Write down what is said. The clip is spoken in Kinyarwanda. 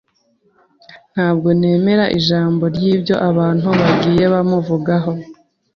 Ntabwo nemera ijambo ryibyo abantu bagiye bamuvugaho.